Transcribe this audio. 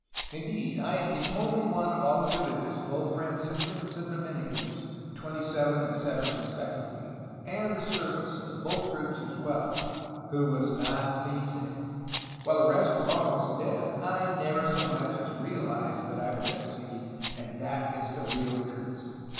Indeed I am the only one of all the religious, both Franciscans and Domini cans,2 and the servants of both groups as well, who was not sea sick; while the rest were almost dead, I never so much as realized that I was at sea, and that is the real truth."